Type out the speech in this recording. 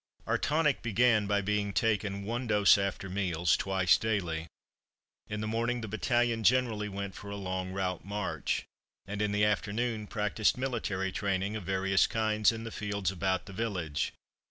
Our tonic began by being taken, one dose after meals, twice daily. In the morning the battalion generally went for a long route march, and in the afternoon practised military training of various kinds in the fields about the village.